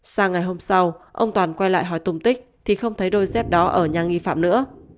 sang ngày hôm sau ông toàn quay lại hỏi tùng tích thì không thấy đôi dép đó ở nhà nghi phạm nữa